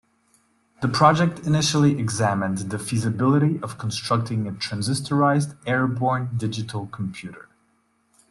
The project initially examined the feasibility of constructing a transistorized airborne digital computer.